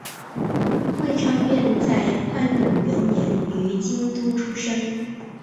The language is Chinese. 桂昌院在宽永元年于京都出生。